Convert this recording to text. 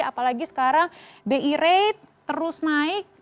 apalagi sekarang bi rate terus naik